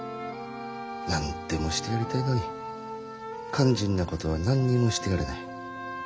何でもしてやりたいのに肝心なことは何にもしてやれない。